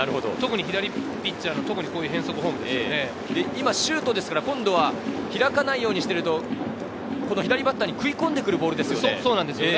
特に左ピッチャーの変則フォーム今シュートですから開かないようにしていると左バッターに食い込んでくるボールですよね。